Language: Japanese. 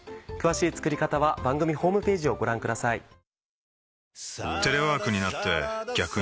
詳しい作り方は番組ホームページをご覧ください。